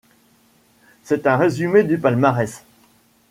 C'est un résumé du palmarès.